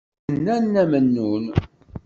I tenna Nna Mennun.